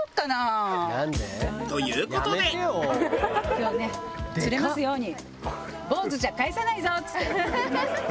今日ね釣れますように。